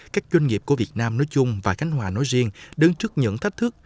các doanh nghiệp của việt nam nói chung và khánh hòa nói riêng đứng trước những thách thức